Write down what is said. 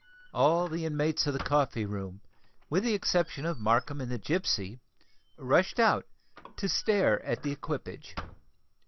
All the inmates of the coffee room, with the exception of Markham and the gipsy, rushed out to stare at the equipage.